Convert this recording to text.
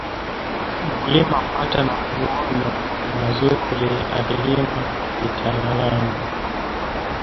Mkulima hupata mavuono mazuri akilima kitaalam